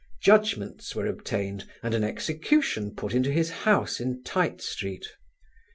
Judgments were obtained and an execution put into his house in Tite Street.